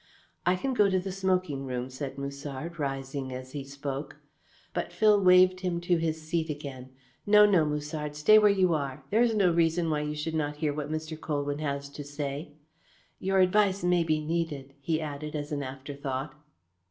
"I can go to the smoking room," said Musard, rising as he spoke. But Phil waved him to his seat again. "No, no, Musard, stay where you are. There is no reason why you should not hear what Mr. Colwyn has to say. Your advice may be needed," he added as an afterthought.